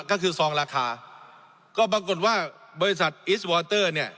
ก็คือซองราคาก็ปรากฏว่าบริษัทอิสวอเตอร์เนี่ย